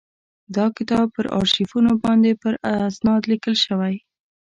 دا کتاب پر آرشیفونو باندي په استناد لیکل شوی.